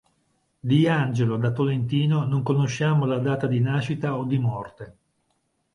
Di Angelo da Tolentino non conosciamo la data di nascita o di morte.